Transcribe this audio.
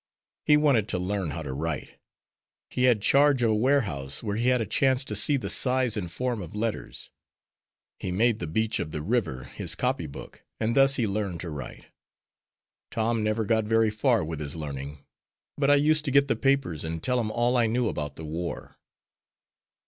He wanted to learn how to write. He had charge of a warehouse where he had a chance to see the size and form of letters. He made the beach of the river his copybook, and thus he learned to write. Tom never got very far with his learning, but I used to get the papers and tell him all I knew about the war."